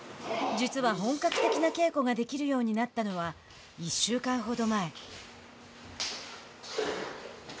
実は本格的な稽古ができるようになったのは１週間ほど前。